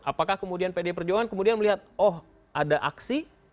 apakah kemudian pdi perjuangan kemudian melihat oh ada aksi